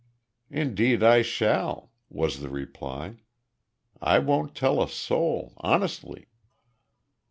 "Indeed I shall!" was the reply. "I won't tell a soul, honestly."